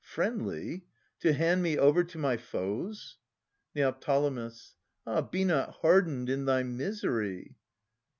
Friendly, to hand me over to my foes? Neo. Ah, be not hardened in thy misery